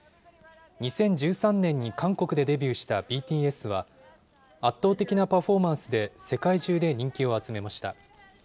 ２０１３年に韓国でデビューしたＢＴＳは、圧倒的なパフォーマンスで世界中で人気を集めました。